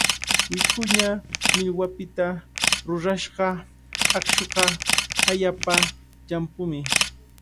Wikuña millwapita rurashqa aqshuqa allaapa llampumi.